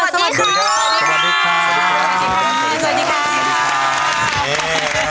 สวัสดีค่ะ